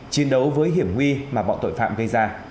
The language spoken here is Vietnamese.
chiến đấu với hiểm nguy mà bọn tội phạm gây ra